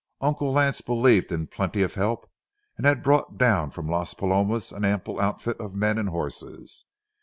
Uncle Lance believed in plenty of help, and had brought down from Las Palomas an ample outfit of men and horses.